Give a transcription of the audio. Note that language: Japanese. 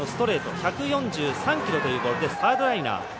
１４３キロというボールでサードライナー。